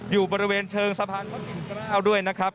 อยู่บริเวณเชิงสะพานพระปิ่นเกล้าด้วยนะครับ